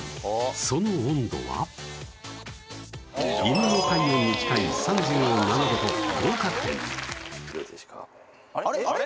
その温度は犬の体温に近い３７度と合格点あれ？